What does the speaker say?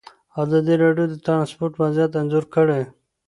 ازادي راډیو د ترانسپورټ وضعیت انځور کړی.